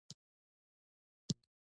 بوټونه که ډېر وخته وانهغوستل شي، سختېږي.